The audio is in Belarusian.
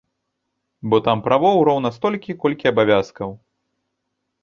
Бо там правоў роўна столькі, колькі абавязкаў.